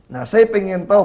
nah saya pengen tau